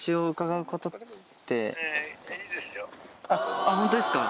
あっホントですか？